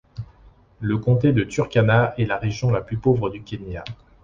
Le comté de Turkana est la région la plus pauvre du Kenya.